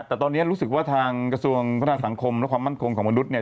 แต่ตอนนี้รู้สึกว่าทางกระทรวงพัฒนาสังคมและความมั่นคงของมนุษย์เนี่ย